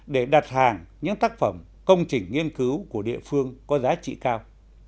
để đặt hàng những tác phẩm công trình nghiên cứu của địa phương có giá trị cao